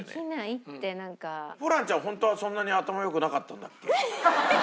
ホントはそんなに頭良くなかったんだっけ？